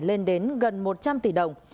lên đến gần một trăm linh tỷ đồng